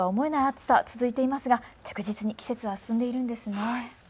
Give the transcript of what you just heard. １０月とは思えない暑さが続いていますが着実に季節は進んでいるんですね。